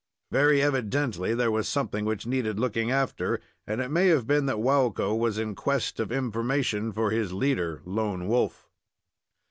Very evidently there was something which needed looking after, and it may have been that Waukko was in quest of information for his leader, Lone Wolf.